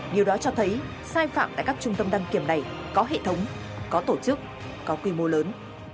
điều đó cho thấy sai phạm tại các trung tâm đăng kiểm này có hệ thống có tổ chức có quy mô lớn